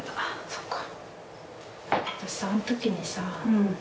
そっか。